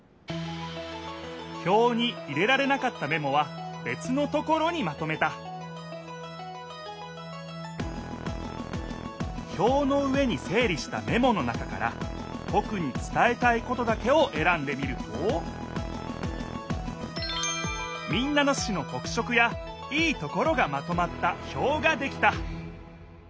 ひょうに入れられなかったメモはべつのところにまとめたひょうの上に整理したメモの中からとくにつたえたいことだけをえらんでみると民奈野市のとく色やいいところがまとまったひょうができた！